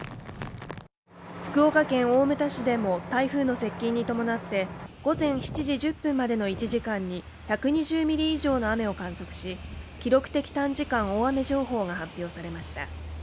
福岡県大牟田市でも台風の接近に伴って午前７時１０分までの１時間に１２０ミリ以上の雨を観測し記録的短時間大雨情報が発表されました